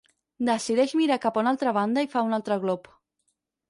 Decideix mirar cap a una altra banda i fa un altre glop.